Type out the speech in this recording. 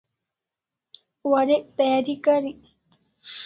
Warek tayari karik